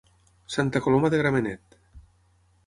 Santa Coloma de Gramenet.